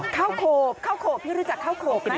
ข้าวโขบข้าวโขบพี่รู้จักข้าวโขกไหม